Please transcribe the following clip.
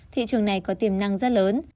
thị trường này có tiềm năng rất lớn